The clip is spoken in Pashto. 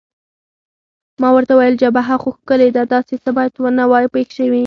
ما ورته وویل: جبهه خو ښکلې ده، داسې څه باید نه وای پېښ شوي.